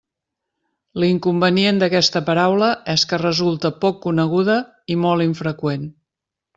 L'inconvenient d'aquesta paraula és que resulta poc coneguda i molt infreqüent.